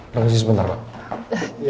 pak permisi sebentar mbak